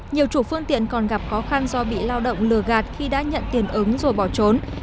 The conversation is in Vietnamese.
nhiều chủ phương tiện còn gặp khó khăn do bị lao động lừa gạt khi đã nhận tiền ứng rồi bỏ trốn